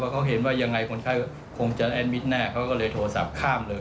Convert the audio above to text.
เขาเห็นว่ายังไงคนไข้คงจะแอดมิตรแน่เขาก็เลยโทรศัพท์ข้ามเลย